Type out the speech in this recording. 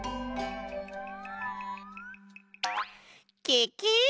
ケケ！